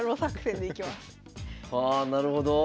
ああなるほど。